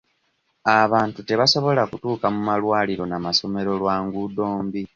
Abantu tebasobola kutuuka mu malwaliro na masomero lwa nguudo mbi.